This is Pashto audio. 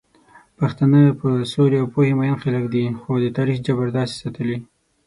پښتانه په سولې او پوهې مئين خلک دي، خو د تاريخ جبر داسې ساتلي